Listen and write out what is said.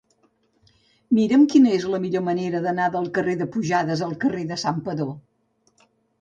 Mira'm quina és la millor manera d'anar del carrer de Pujades al carrer de Santpedor.